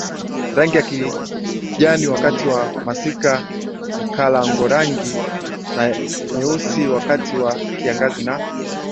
rangi ya kijaniwakati wa masikaMkalangorangi ya nyeusiwakati wa kiangazi na